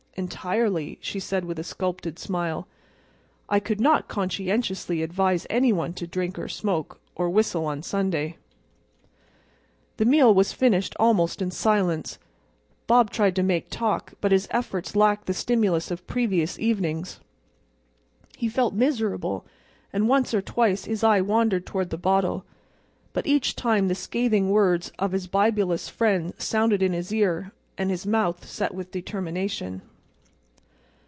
"Entirely," she said with a sculptured smile. "I could not conscientiously advise any one to drink or smoke, or whistle on Sunday." The meal was finished almost in silence. Bob tried to make talk, but his efforts lacked the stimulus of previous evenings. He felt miserable, and once or twice his eye wandered toward the bottle, but each time the scathing words of his bibulous friend sounded in his ear, and his mouth set with determination.